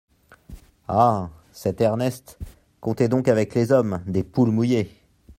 Ah ! cet Ernest, comptez donc avec les hommes, des poules mouillées !